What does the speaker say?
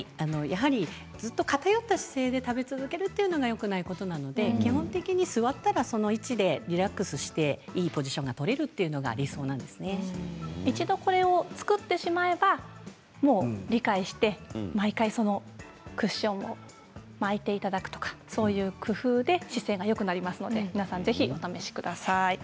偏った姿勢で食べ続けるのがよくないことなので基本的に座ったらその位置でリラックスしていいポジションが取れるというのが一度これを作ってしまえば理解して毎回クッションを巻いていただくとかそういう工夫で姿勢がよくなりますのでぜひお試しください。